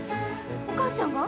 お母ちゃんが？